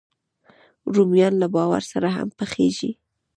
رومیان له بارو سره هم پخېږي